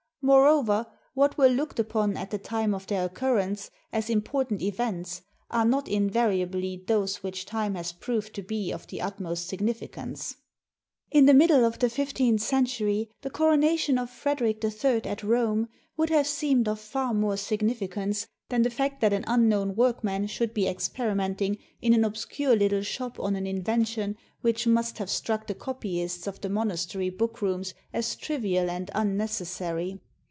Moreover, what were looked upon at the time of their occurrence as important events are not invariably those which time has proved to be of the utmost significance. In the middle of the fifteenth century, the coronation of Frederic III at Rome would have seemed of far more significance than the fact that an unknown workman xxvii INTRODUCTION should be experimenting in an obscure little shop on an invention which must have struck the copyists of the monastery bookrooms as trivial and imnecessary.